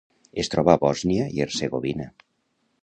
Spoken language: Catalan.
Es troba a Bòsnia i Hercegovina.